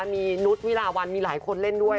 มีนุษย์วิลาวันมีหลายคนเล่นด้วย